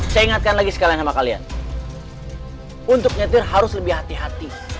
saya ingatkan lagi sekalian sama kalian untuk nyetir harus lebih hati hati